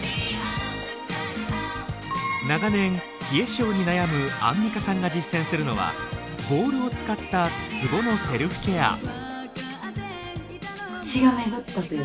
長年冷え症に悩むアンミカさんが実践するのはボールを使ったツボのセルフケア。